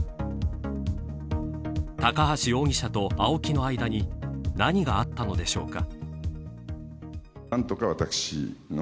高橋容疑者をＡＯＫＩの間に何があったのでしょうか。